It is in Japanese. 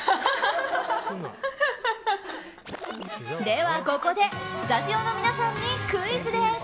では、ここでスタジオの皆さんにクイズです。